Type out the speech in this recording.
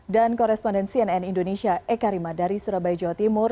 dan koresponden cnn indonesia eka rima dari surabaya jawa timur